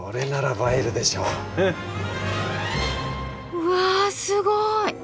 うわすごい！